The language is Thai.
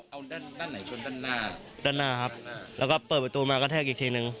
เอาด้านด้านไหนชนด้านหน้าด้านหน้าครับแล้วก็เปิดประตูมากระแทกอีกทีนึง